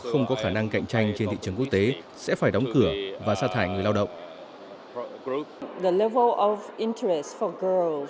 không có khả năng cạnh tranh trên thị trường quốc tế sẽ phải đóng cửa và xa thải người lao động